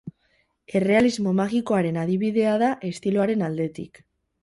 Errealismo magikoaren adibidea da estiloaren aldetik.